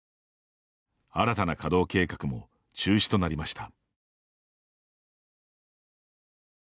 新たな稼働計画も中止となりました。